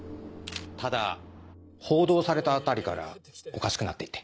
ただ報道されたあたりからおかしくなって行って。